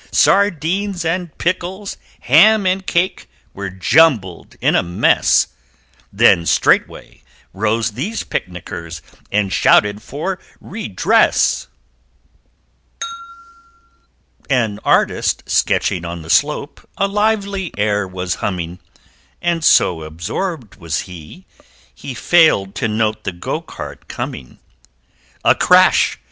Sardines and pickles, ham and cake, Were jumbled in a mess, Then straightway rose these Picnickers And shouted for redress! An Artist sketching on the slope A lively air was humming, And so absorbed was he, he failed To note the Go cart coming A crash!